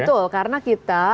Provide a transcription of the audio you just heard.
betul karena kita